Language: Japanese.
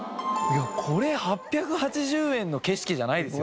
これ８８０円の景色じゃないですよね。